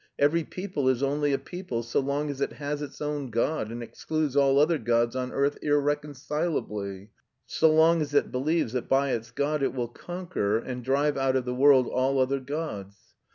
Every people is only a people so long as it has its own god and excludes all other gods on earth irreconcilably; so long as it believes that by its god it will conquer and drive out of the world all other gods.